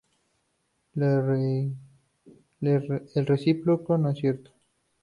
El recíproco no es cierto.